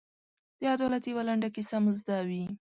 د عدالت یوه لنډه کیسه مو زده وي.